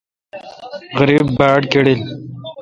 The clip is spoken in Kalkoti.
غریب باڑ کڑل۔